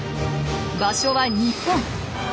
場所は日本。